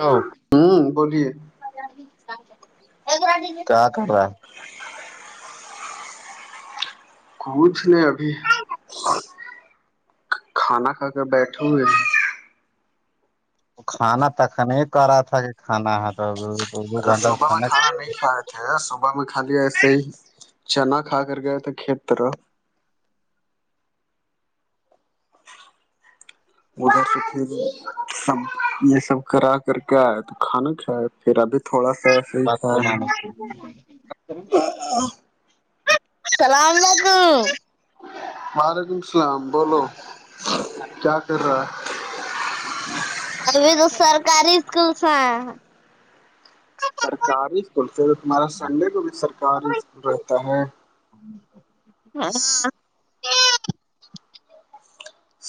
ا ہوں بولیے کا کر رہا کچھ نے ابھی کھانا کھا کے بیٹھے ہوئے ہیں کھانا تخن کرا تھا کہ کھانا ہے تو دو ارے گھنٹہ صبح میں کھانا نہیں کھائے تھے صبح میں کال لیا ایسے ہی چنا کھا کر گئے تھے کھیت طرف ادھر سے پھر سب یہ سب کرا کر کے آئے تو کھانا کھایا پھر ابھی تھوڑا سا ایسے ہی ڈاکٹر کھایا ہے نام اللام علیکم وعلیکم اللام بولو کیا کر رہا ہے ابھی تو سرکاری اسکولس ہیں سرکاری اسکول پ تمہارا سنڈے کو بھی سرکاری اسکول رہتا ہے [unintelligible]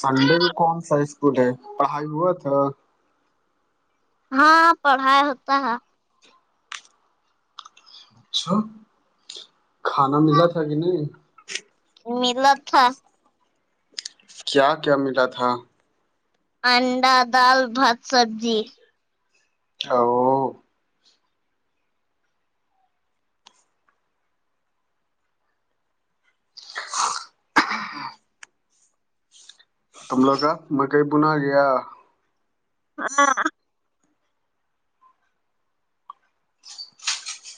سنڈے کو کون سا اسکول ہے پڑھائی ہوا تھا ہاں پڑھائی ہوتا ہے چا کھانا ملا تھا کہ نہیں ملت تھا کیا کیا ملا تھا انڈا دال بھات سبزی [unintelligible] تم لوگ کا مکئی بنا گیا [unintelligible]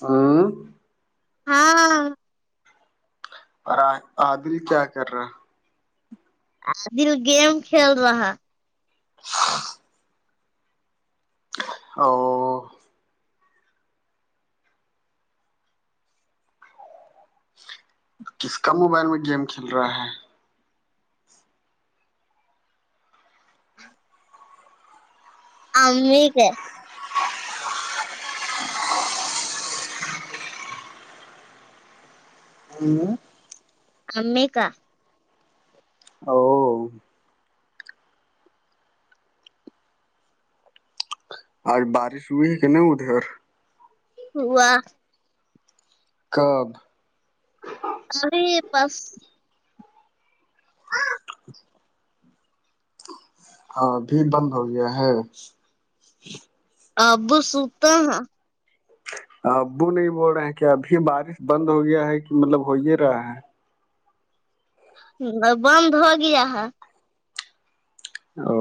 ہوں ہاں پر عادل کیا کر رہا ہے آ دل گیم کھیل رہا [unintelligible] او کس کا موبائل میں گیم کھیل رہا ہے امییک ہوں امی کا او آج بارش ہوئی ہے کہ نہیں ادھر اور ہوا کب ای یہ بس [unintelligible] ہ بھی بند ہو گیا ہے اب سوتا ابو نہیں بول رہے ہیں کہ ابھی بارش بند ہو گیا ہے کہ مطلب ہو ہی رہا ہے بند دھو گیا ہا او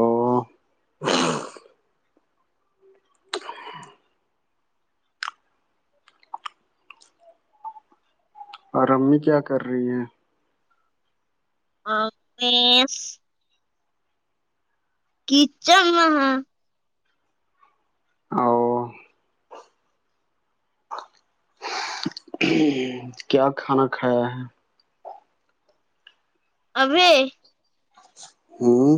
اور امی کیا کر رہی ہیں [unintelligible] کیچ م ہاں او [unintelligible] کیا کھانا کھایا ہے ابے ہوں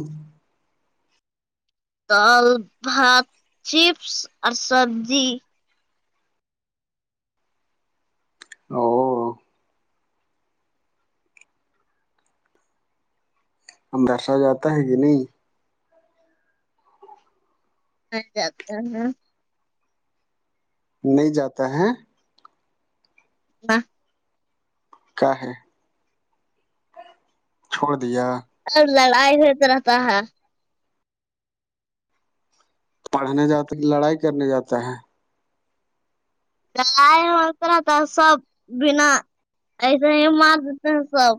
دال بھات چیپس اور سبزی او مدرسہ جاتا ہے کہ نہیں [unintelligible] نہیں جاتا ہے ہاں کا ہے چھوڑ دیا ا لڑ آئی ہوت رہتا ہا پڑھنے جاتے لڑائی کرنے جاتا ہے لائے ہو اترا تو سب بنا ایسے ہی مار دیتے ہیں سب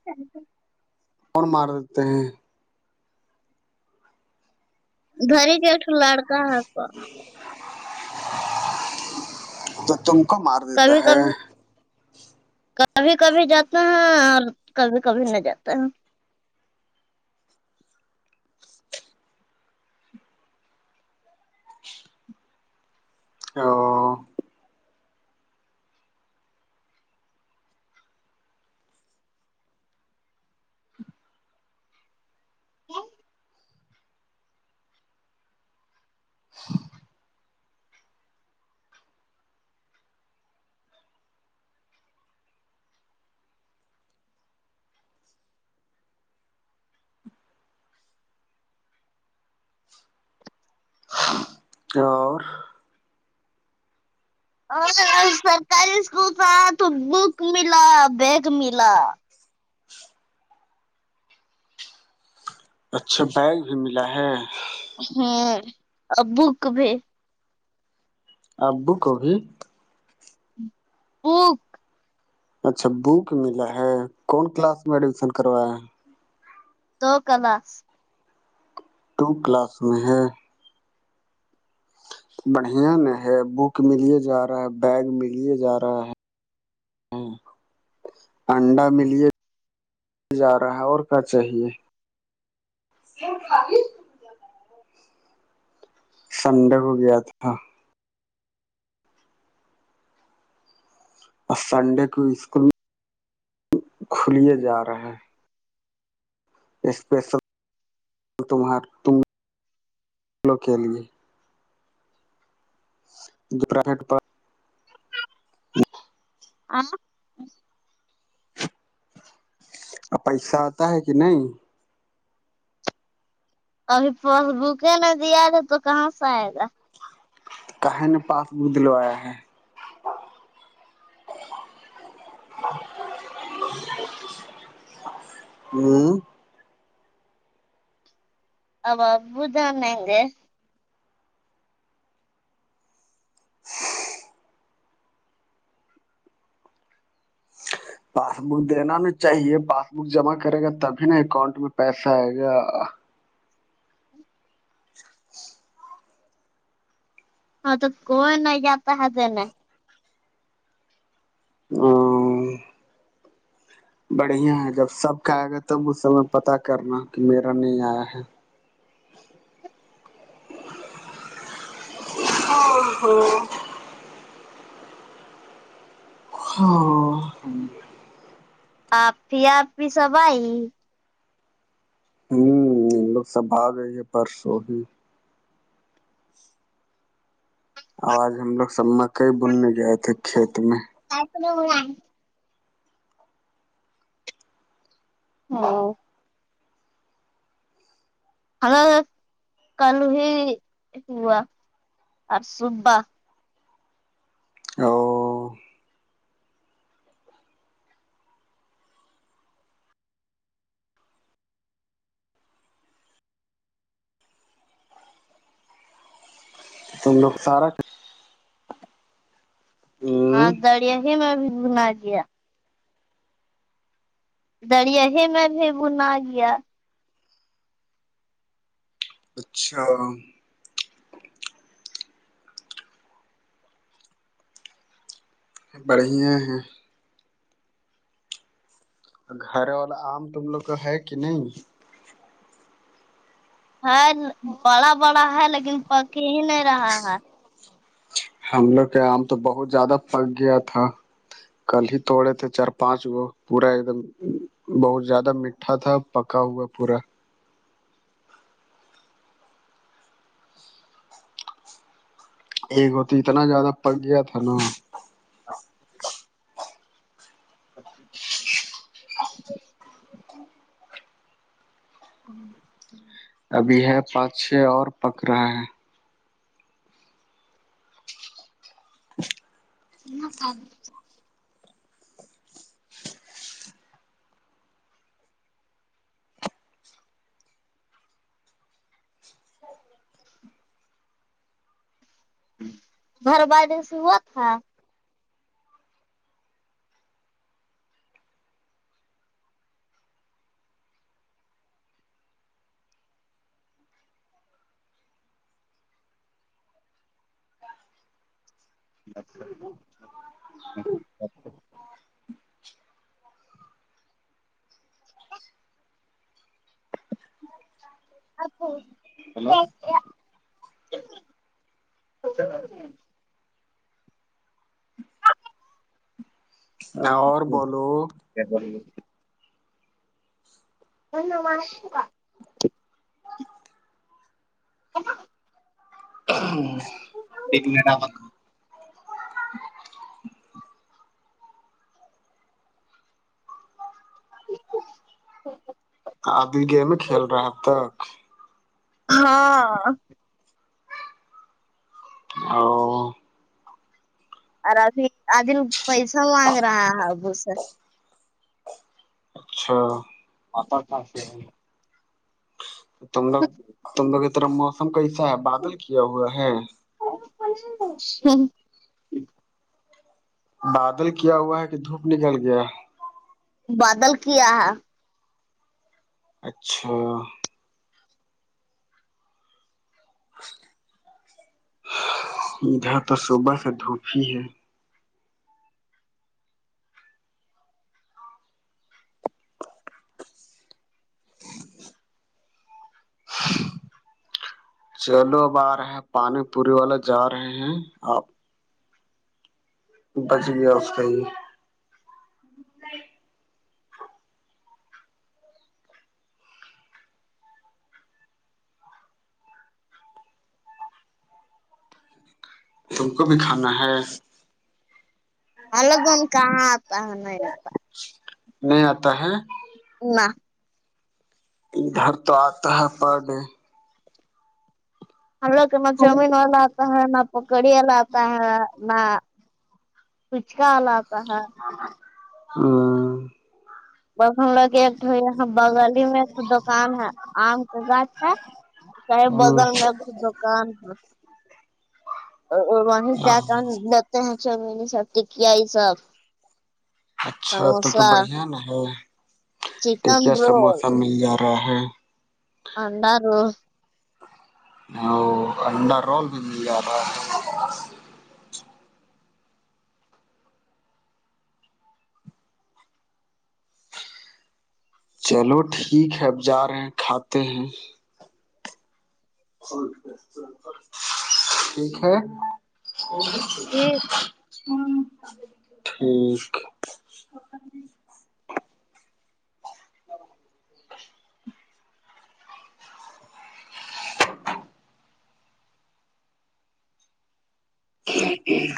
[unintelligible] اور مار دیتے ہیں ادھر ہی کا اکٹھ لڑکا ہےپا تو تم کو مار دیتا کبھی ہے کبھی کبھی کبھی جاتا ہے اور کبھی کبھی نہ جاتا ہے او ہ اور اور سرکاری اسکول کا تو بک ملا بیگ ملا اچھا بیگ بھی ملا ہے ہوں اور بوک بھی ابو کو بھی بوک اچھا بک ملا ہے کون کلاس میں ایڈمیشن کروایا ہے دو کلاس ٹو کلاس میں ہے بڑھیا ن ہے بک ملیے جا رہا ہے بیگ ملیے جا رہا ہے ہاں انڈا ملیے جا رہا ہے اور کیا چاہیے [unintelligible] سنڈے کو گیا تھا اور سنڈے کو اسکول کھلے جا رہے ہیں اسپیشل تمہارو کے لیے رٹ آ اور پیسہ آتا ہے کہ نہیں ابھی فاس بک میں دیا تھا تو کہاں سے آئے گا کہے نے پاس بک دلوایا ہے ہوں ا اب ابو جانے دے پاس بک دینا نہیں چاہیے پاس بک جمع کرے گا تبھی نا اکاؤنٹ میں پیسہ آئے گا ہاں تو کوئی نے جاتا ہے دینے ہ بڑھیا ہے جب سب کہ آیا گیا تب م سے پتا کرنا کہ میرا نہیں آیا ہے ہ ہاں ہاں آپ ہی آپ بھی سب آئی ہوں لوگ سب آ گئے ہے پرسوں ہی آوج ہم لوگ سب مکئی بننے گئے تھے کھیت میں آپنا ہو ہ ہما کلو ہی ہوا اور سببہ او تم لوگ سارا ہاں ہ دریا ہی میں بھی گھنا گیا دریا ہی میں بھی بنا گیا اچھا بڑھیا ہیں گھر والا آم تم لوگ کا ہے کہ نہیں ہ بڑا بڑا ہے لیکن پکی ہی نہیں رہا ہے ہم لوگ کے آم تو بہت زیادہ پک گیا تھا کل ہی توڑے تھے چار پانچ وہ پورا ایک دم بہت زیادہ میٹھا تھا پکا ہوا پورا ایک تو اتنا زیادہ پک گیا تھا نا حب ہوں ابھی ہے پانچ چے اور پک رہا ہے ن ک گھر والے سے ہوا تھا ب ج اچھا اور بولو کیا ن مارش کاا ا ایک منٹ آ ھ آدھی گیم کھیل رہا ہے اب تک ہاں ا ار ابھی آدھی پیس مانگ رہا ہ ابوس اچھا اتر تھا سے ب تم لوگ تم لوگ یہ طرح موسم کیسا ہے بادل کیا ہوا ہے گب بادل کیا ہوا ہے کہ دھوپ نکل گیا بادل کیا ہے اچھا ادھر تو صبح کا دھوپ ہی ہے چلو اب آ رہے پانی پوری والا جا رہے ہیں آپ بچ گیا اس کا ہی ے تم کو بھی کھانا ہے اللگن کا آپپا نہیں آتا ہے ال ادھر تو آتا ہے پرڈ ہم لوگ کا نہ چاؤمین والا آتا ہے نہ پکڑی والا آتا ہے نہ کچ کا حال آتا ہے [unintelligible] ب ہم لا کے ایکٹ یہ بغل ہی میں ایک دکان ہے آم کے گاچھ ہے ساحب بغل میں دکان وہیں جا کر لگتے ہیں چین سب ٹکیا یہ سب اچھا تو تو سموسہ بڑھیا نا ہے چکن ٹیکیا رول سموسہ مل جا رہا ہے اڈار ا انڈا رول بھی مل جاتا ہے چلو ٹھیک ہے اب جا رہے ہیں کھاتے ہیں ٹھیک ہے یہ ہ ٹھیک ا ایک ایک